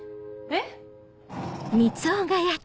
えっ？